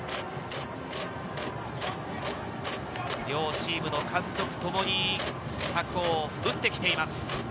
両チームの監督ともに策を打ってきています。